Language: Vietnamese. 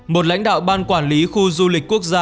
một lãnh đạo ban quản lý khu du lịch quốc gia